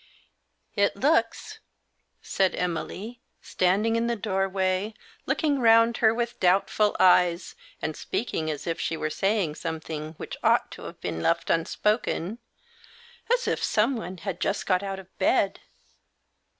"It looks," said Emily, standing in the doorway, looking round her with doubtful eyes, and speaking as if she were saying something which ought to have been left unspoken, " as if someone had just got out of bed."